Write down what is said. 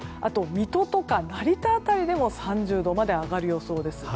水戸とか成田辺りでも３０度まで上がる予想です。